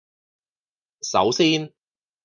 首先